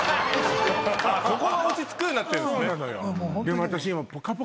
ここが落ち着くようになってるんすね。